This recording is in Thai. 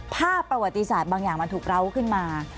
ภาพประวัติศาสตร์บางอย่างมันถูกเล้าขึ้นมา